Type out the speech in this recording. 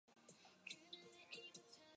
A tilt-steering wheel became optional.